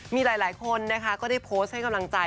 มีหลายคนนะคะก็ได้โพสต์ให้กำลังใจ